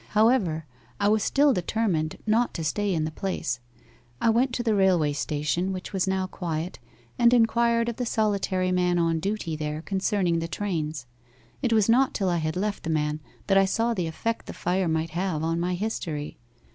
However, I was still determined not to stay in the place. I went to the railway station, which was now quiet, and inquired of the solitary man on duty there concerning the trains. It was not till I had left the man that I saw the effect the fire might have on my history.